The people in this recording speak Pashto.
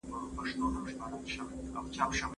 ټوله شپه د جملو په پورته کولو بوخت وم.